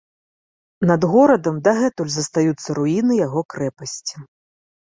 Над горадам дагэтуль застаюцца руіны яго крэпасці.